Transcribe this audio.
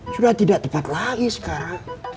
sudah tidak tepat lagi sekarang